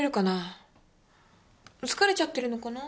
疲れちゃってるのかな？